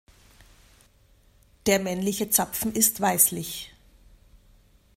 Der männliche Zapfen ist weißlich.